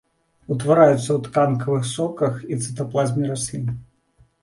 Утвараюцца ў тканкавых соках і цытаплазме раслін.